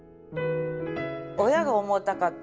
親が重たかった。